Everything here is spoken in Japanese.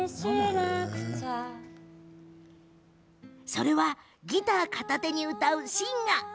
それはギター片手に歌うシンガー。